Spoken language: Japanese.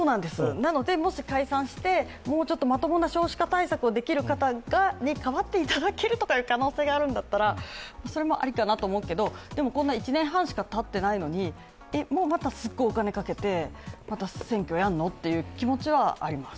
なので、もし解散してもうちょっとまともな少子化対策ができる方に変わっていただける可能性があるんだったら、それもありかなと思うけど、でも、こんな１年半しかたってないのにえ、またすっごいお金かけて選挙やんの？っていう気持ちはあります。